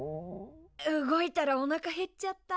動いたらおなか減っちゃった。